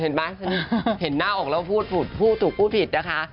เห็นมั้ยเห็นหน้าออกแล้วพูดถูกพูดผิดนะคะ